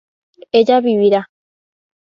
ella vivirá